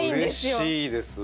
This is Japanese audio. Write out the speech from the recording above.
あうれしいですわ。